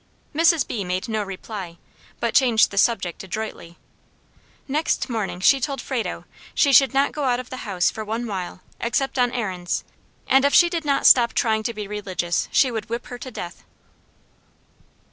Mrs. B. made no reply, but changed the subject adroitly. Next morning she told Frado she "should not go out of the house for one while, except on errands; and if she did not stop trying to be religious, she would whip her to death."